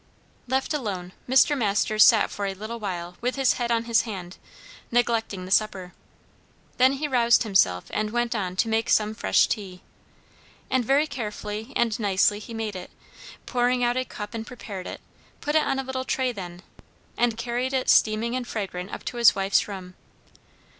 Left alone, Mr. Masters sat for a little while with his head on his hand, neglecting the supper. Then he roused himself and went on to make some fresh tea. And very carefully and nicely he made it, poured out a cup and prepared it, put it on a little tray then, and carried it steaming and fragrant up to his wife's room.